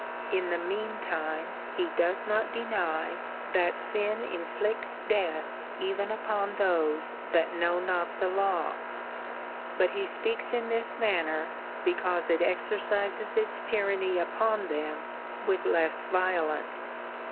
In the mean time he does not deny, that sin inflicts death even upon those that know not the law ; but he speaks in this manner, because it exercises its tyranny upon them with less violence.